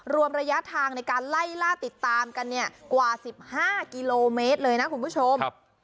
รวมระยะทางในการไล่ล่าติดตามกันเนี่ยกว่า๑๕กิโลเมตรเลยนะคุณผู้ชม